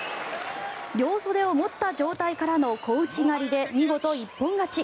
両袖を持った状態からの小内刈りで見事、一本勝ち。